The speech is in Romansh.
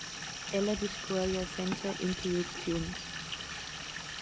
Ella discuora senza interrupziuns.